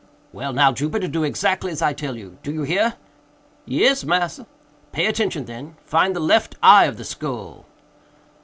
"Well now, Jupiter, do exactly as I tell you—do you hear?" "Yes, massa." "Pay attention, then—find the left eye of the skull."